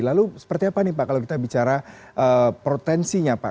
lalu seperti apa nih pak kalau kita bicara potensinya pak